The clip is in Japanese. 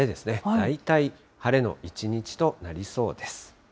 大体晴れの一日となりそうです。